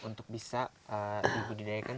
untuk bisa dibudidayakan